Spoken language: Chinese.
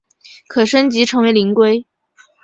可升级成为灵龟。